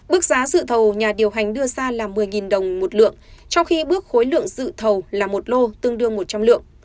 mức giá dự thầu nhà điều hành đưa ra là một mươi đồng một lượng trong khi bước khối lượng dự thầu là một lô tương đương một trăm linh lượng